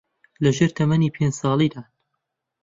لەژێر تەمەنی پێنج ساڵیدان